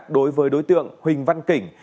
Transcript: đối với đối tượng huỳnh văn kỉnh